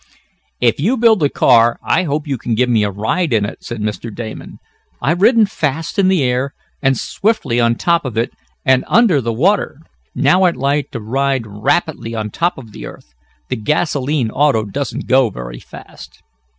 "If you build a car I hope you give me a ride in it," said Mr. Damon. "I've ridden fast in the air, and swiftly on top of, and under, the water. Now I'd like to ride rapidly on top of the earth. The gasolene auto doesn't go very fast."